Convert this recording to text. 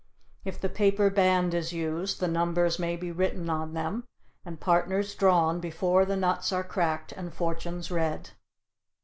If the paper band is used, the numbers may be written on them and partners drawn before the nuts are cracked and fortunes read.